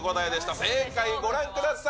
正解ご覧ください。